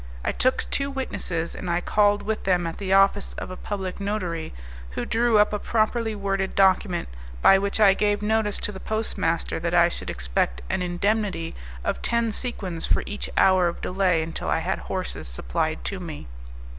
I took two witnesses, and I called with them at the office of a public notary, who drew up a properly worded document, by which I gave notice to the post master that I should expect an indemnity of ten sequins for each hour of delay until I had horses supplied to me.